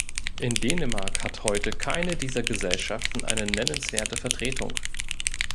In Dänemark hat heute keine dieser Gesellschaften eine nennenswerte Vertretung.